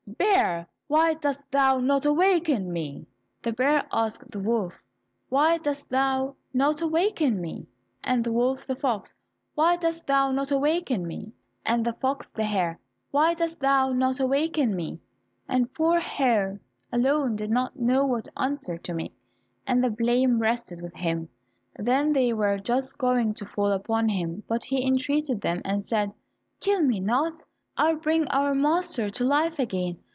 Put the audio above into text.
Bear, why didst thou not waken me?" The bear asked the wolf, "Why didst thou not waken me?" and the wolf the fox, "Why didst thou not waken me?" and the fox the hare, "Why didst thou not waken me?" The poor hare alone did not know what answer to make, and the blame rested with him. Then they were just going to fall upon him, but he entreated them and said, "Kill me not, I will bring our master to life again.